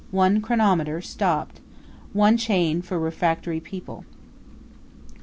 1 chronometer, stopped. 1 chain for refractory people.